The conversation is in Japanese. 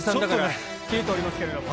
切れておりますけれども。